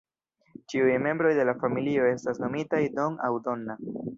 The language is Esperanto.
Ĉiuj membroj de la familio estas nomitaj "Don" aŭ "Donna".